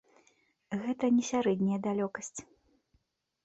Гэта не сярэдняя далёкасць.